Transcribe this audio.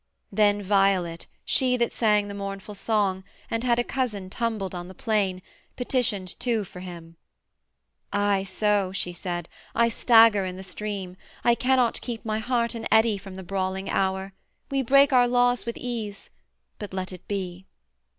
Then Violet, she that sang the mournful song, And had a cousin tumbled on the plain, Petitioned too for him. 'Ay so,' she said, 'I stagger in the stream: I cannot keep My heart an eddy from the brawling hour: We break our laws with ease, but let it be.'